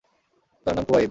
তাঁর নাম খুবাইব।